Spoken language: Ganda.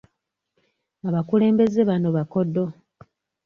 Abakulembeze bano bakodo.